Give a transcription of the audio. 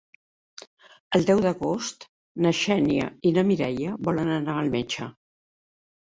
El deu d'agost na Xènia i na Mireia volen anar al metge.